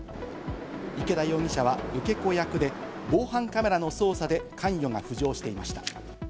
池田容疑者は受け子役で防犯カメラの捜査で関与が浮上していました。